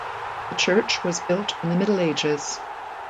The church was built in the Middle Ages.